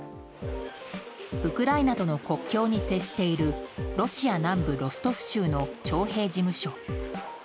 ウクライナとの国境に接しているロシア南部ロストフ州の徴兵事務所。